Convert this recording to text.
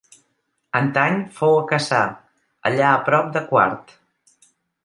Antany fou a Cassà, allà a prop de Quart—.